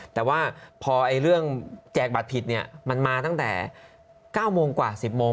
แต่ว่าพอเรื่องแจกบัตรผิดเนี่ยมันมาตั้งแต่๙โมงกว่า๑๐โมง